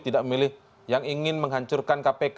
tidak memilih yang ingin menghancurkan kpk